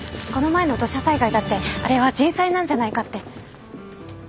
この前の土砂災害だってあれは人災なんじゃないかって。